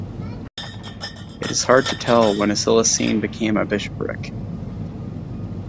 It is hard to tell when Acilisene became a bishopric.